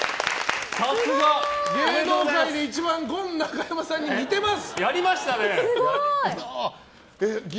芸能界で一番ゴン中山さんに似てます！